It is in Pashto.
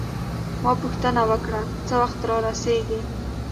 ما پوښتنه وکړه: څه وخت رارسیږي؟